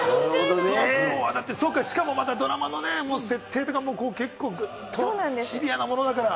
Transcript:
しかもドラマのね、設定とかも結構ぐっとシリアスなものだから。